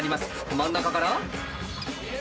真ん中から。